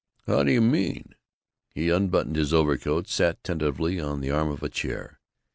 "How do you mean?" He unbuttoned his overcoat, sat tentatively on the arm of a chair.